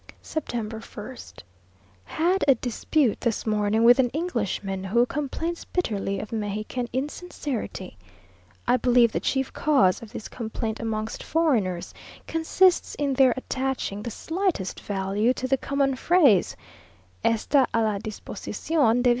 September 1st. Had a dispute this morning with an Englishman, who complains bitterly of Mexican insincerity. I believe the chief cause of this complaint amongst foreigners consists in their attaching the slightest value to the common phrase, "_Está a la disposición de V.